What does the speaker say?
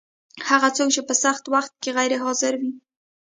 هغه څوک چې په سخت وخت کي غیر حاضر وي